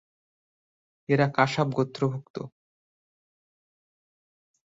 এরা কাশ্যপ গোত্র ভুক্ত।